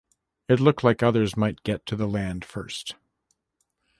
It looked like others might get to the land first.